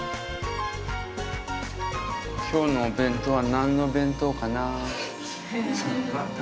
今日のお弁当は何のお弁当かな。